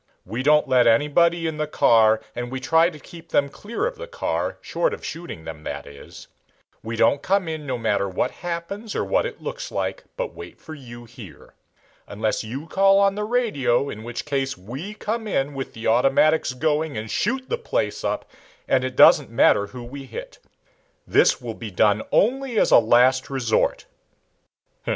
We don't let anybody in the car and we try and keep them clear of the car short of shooting them, that is. We don't come in, no matter what happens or what it looks like, but wait for you here. Unless you call on the radio, in which case we come in with the automatics going and shoot the place up, and it doesn't matter who we hit. This will be done only as a last resort."